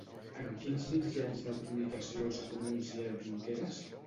En quins mitjans de comunicació s'ha pronunciat Junqueras?